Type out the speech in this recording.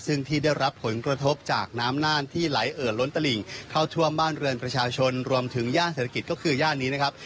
ซึ่งที่ได้รับผลกระทบจากน้ำน่านที่ไหลเอิดล้นตลิ่งเข้าท่วมบ้านเรือนประชาชนรวมถึงย่านเศรษฐกิจก็คือย่านนี้นะครับ